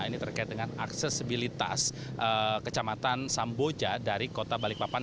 ini terkait dengan aksesibilitas kecamatan samboja dari kota balikpapan